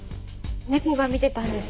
ネコが見てたんです。